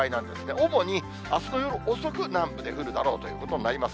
主にあすの夜遅く南部で降るだろうということになります。